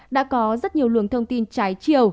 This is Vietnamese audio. đã có rất nhiều lường thông tin trái chiều